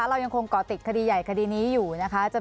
เรายังคงก่อติดคดีใหญ่คดีนี้อยู่นะคะ